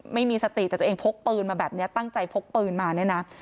ไม่มีสติแต่ตัวเองพกปืนมาแบบนี้ตั้งใจพกปืนมาเนี่ยนะ